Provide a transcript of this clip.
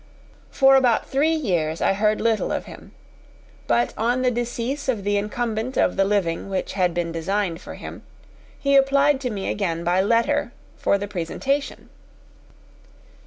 For about three years I heard little of him; but on the decease of the incumbent of the living which had been designed for him, he applied to me again by letter for the presentation.